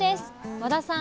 和田さん